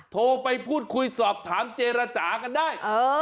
โทรไปพูดคุยสอบถามเจรจากันได้